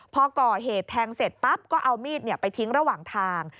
พอก่อเหตุแทงเสร็จปั๊บก็เอามีดไปทิ้งระหว่างทาง